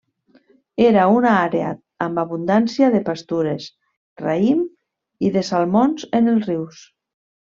Era una àrea amb abundància de pastures, raïm, i de salmons en els rius.